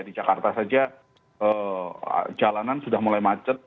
di jakarta saja jalanan sudah mulai macet